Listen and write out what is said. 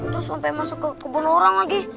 terus sampai masuk ke kebun orang lagi